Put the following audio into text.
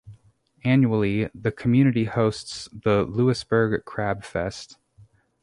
Annually, the community hosts the Louisbourg Crab Fest.